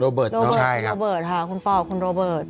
โรเบิร์ตคุณโรเบิร์ตค่ะคุณปอลคุณโรเบิร์ต